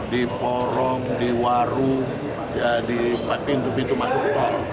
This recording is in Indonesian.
di warung di empatin di pintu masuk